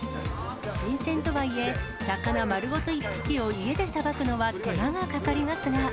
新鮮とはいえ、魚丸ごと１匹を家でさばくのは手間がかかりますが。